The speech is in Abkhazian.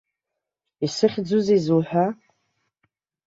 Исыхьӡузеи зуҳәа?